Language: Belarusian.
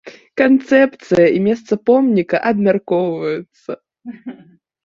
Канцэпцыя і месца помніка абмяркоўваюцца.